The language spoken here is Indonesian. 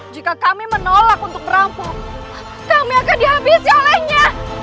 jika kami menolak untuk merampung kami akan dihabisi olehnya